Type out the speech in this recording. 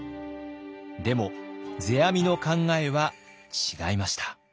でも世阿弥の考えは違いました。